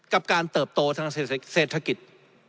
กับการเติบโตทางเศรษฐกิจ